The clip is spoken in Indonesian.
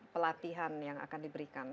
pelatihan yang akan diberikan